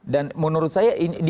dan menurut saya ini